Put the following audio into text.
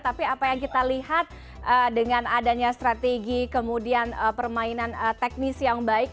tapi apa yang kita lihat dengan adanya strategi kemudian permainan teknis yang baik